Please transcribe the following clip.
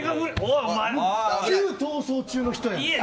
旧「逃走中」の人やん。